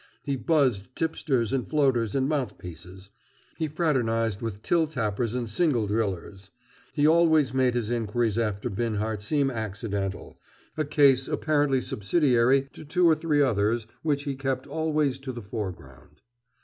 He "buzzed" tipsters and floaters and mouthpieces. He fraternized with till tappers and single drillers. He always made his inquiries after Binhart seem accidental, a case apparently subsidiary to two or three others which he kept always to the foreground.